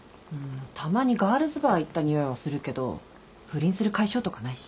たまにガールズバー行ったにおいはするけど不倫するかい性とかないし。